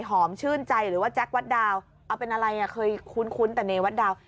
หอมชื่นใจหรือว่าแจ็ควัดดาวเอาเป็นอะไรอ่ะเคยคุ้นแต่เนวัดดาว